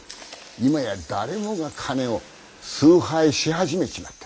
今や誰もが金を崇拝し始めちまっている。